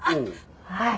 はい！